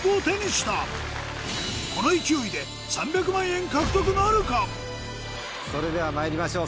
この勢いでそれではまいりましょう。